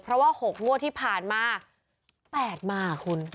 เพราะว่า๖งวดที่ผ่านมา๘มาคุณ